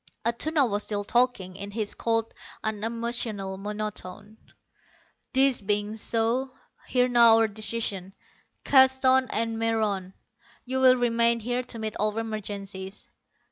Atuna was still talking, in his cold, unemotional monotone. "This being so, hear now our decision. Keston and Meron, you will remain here to meet all emergencies.